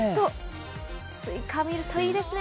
すいかを見るといいですね